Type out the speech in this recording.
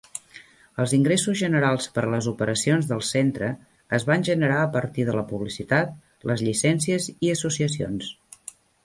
Els ingressos generals per a les operacions del centre es van generar a partir de la publicitat, les llicències i associacions.